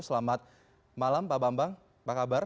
selamat malam pak bambang apa kabar